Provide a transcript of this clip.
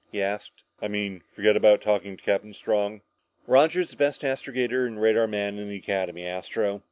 he asked. "I mean, forget about talking to Captain Strong?" "Roger's the best astrogator and radar man in the Academy, Astro.